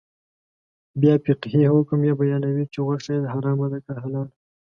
بیا فقهي حکم یې بیانوي چې غوښه یې حرامه ده که حلاله.